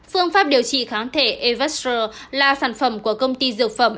phương pháp điều trị kháng thể evacor là sản phẩm của công ty dược phẩm